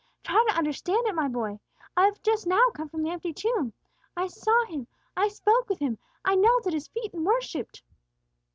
Try to understand it, my boy! I have just now come from the empty tomb. I saw Him! I spoke with Him! I knelt at His feet and worshipped!"